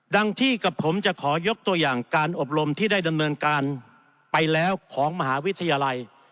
ที่กับผมจะขอยกตัวอย่างการอบรมที่ได้ดำเนินการไปแล้วของมหาวิทยาลัย